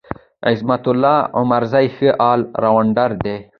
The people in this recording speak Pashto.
عظمت الله عمرزی ښه ال راونډر دی.